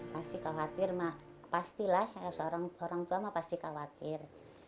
pasti khawatir mah pastilah orang tua mah pasti khawatir